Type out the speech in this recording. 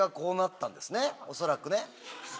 恐らくね。